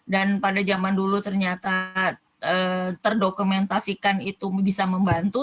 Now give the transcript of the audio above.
dan pada zaman dulu ternyata terdokumentasikan itu bisa membantu